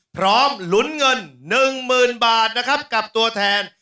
พร้อมหลุนเงิน๑หมื่นบาทนะครับกับตัวแทน